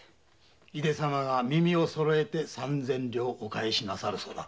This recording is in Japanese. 井出様が耳をそろえて三千両お返しなさるそうだ。